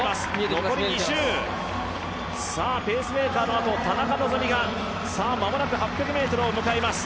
残り２周、ペースメーカーのあと田中希実が間もなく８００ｍを迎えます。